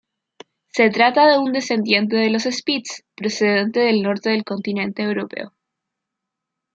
Se trata de un descendiente de los Spitz procedentes del norte del continente Europeo.